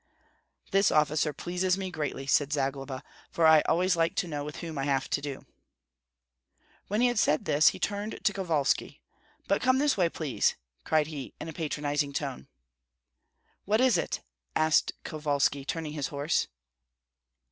"This officer pleases me greatly," said Zagloba, "for I always like to know with whom I have to do." When he had said this he turned to Kovalski. "But come this way, please!" cried he, in a patronizing tone. "What is it?" asked Kovalski, turning his horse.